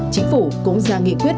chính phủ cũng ra nghị quyết